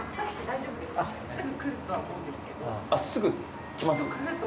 すぐ来ます？